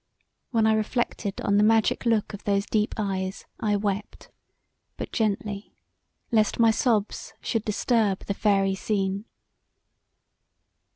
When I reflected on the magic look of those deep eyes I wept, but gently, lest my sobs should disturb the fairy scene.